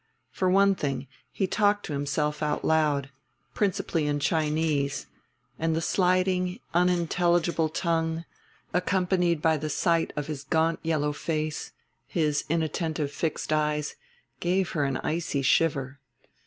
For one thing he talked to himself out loud, principally in Chinese, and the sliding unintelligible tongue, accompanied by the sight of his gaunt yellow face, his inattentive fixed eyes, gave her an icy shiver.